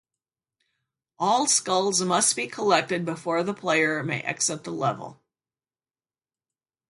All skulls must be collected before the player may exit the level.